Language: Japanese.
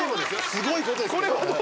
すごいことですけど。